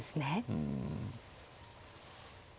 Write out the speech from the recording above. うん。